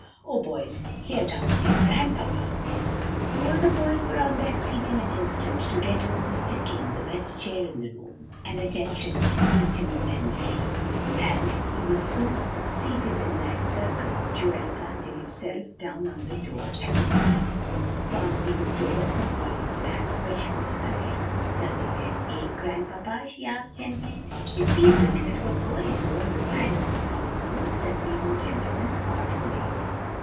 "Oh, boys, here comes dear Grandpapa!" All the boys were on their feet in an instant to get old Mr. King the best chair in the room, an attention which pleased him immensely; and he was soon seated in their circle, Joel planting himself down on the floor at his feet. Phronsie looked over from Polly's lap, where she was snuggling. "Does your head ache, Grandpapa?" she asked gently. "It feels as if it were going to, all the while, Phronsie," said the old gentleman artfully.